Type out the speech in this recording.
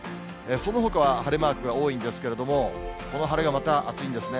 そのほかは晴れマークが多いんですけれども、この晴れがまた暑いんですね。